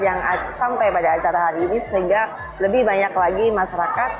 yang sampai pada acara hari ini sehingga lebih banyak lagi masyarakat